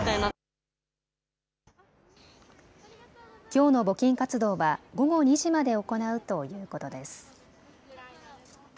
きょうの募金活動は午後２時まで行うということです。